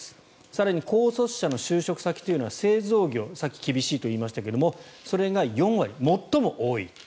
更に高卒者の就職先というのは製造業さっき厳しいと言いましたがそれが４割で最も多いと。